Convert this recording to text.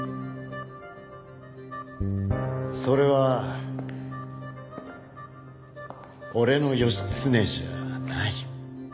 それは俺の義経じゃない。